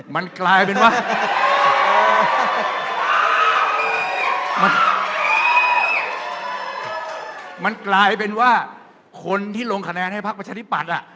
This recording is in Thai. มันกลายเป็นว่ามันกลายเป็นว่าคนที่ลงคะแนนให้พักประชาธิปัตย์